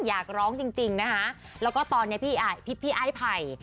อยากร้องจริงนะคะแล้วก็ตอนนี้พี่ไอ้ไผ่